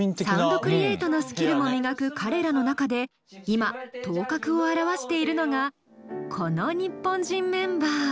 サウンドクリエートのスキルも磨く彼らの中で今頭角を現しているのがこの日本人メンバー。